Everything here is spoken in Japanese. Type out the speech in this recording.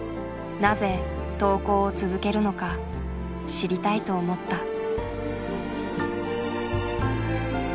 なぜ投稿を続けるのか知りたいと思った。